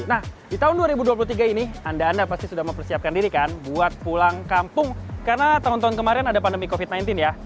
nah di tahun dua ribu dua puluh tiga ini anda anda pasti sudah mempersiapkan diri kan buat pulang kampung karena tahun tahun kemarin ada pandemi covid sembilan belas ya